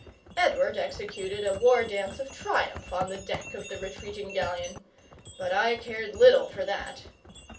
Edward executed a war dance of triumph on the deck of the retreating galleon; but I cared little for that.